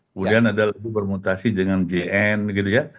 kemudian ada lagu bermutasi dengan jn gitu ya